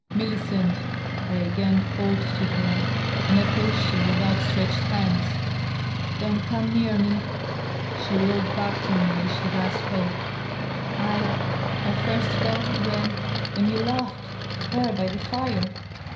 "Millicent!" I again called to her, and approached her with outstretched hands. "Don't come near me." She reeled back from me as she thus spoke. " I — I first felt it when — ^when you laughed, there by the fire.